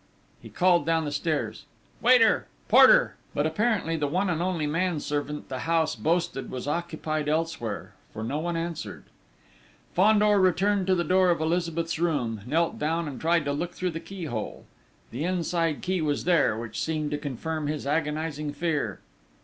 He called down the stairs: "Waiter!... Porter!" But apparently the one and only manservant the house boasted was occupied elsewhere, for no one answered. Fandor returned to the door of Elizabeth's room, knelt down and tried to look through the keyhole. The inside key was there, which seemed to confirm his agonising fear.